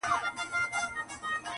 نور پر کمبله راته مه ږغوه!!